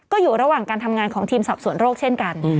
ก็อยู่ระหว่างการทำงานของทีมสอบสวนโรคเช่นกัน